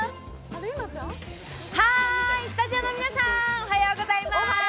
はーい、スタジオの皆さん、おはようございまーす。